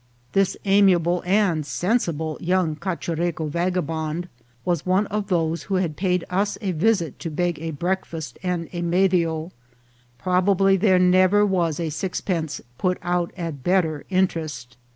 This amiable and sensible young Cachureco vagabond was one of those who had paid us a visit to beg a breakfast and a medio. Probably there never was a sixpence put out at better interest.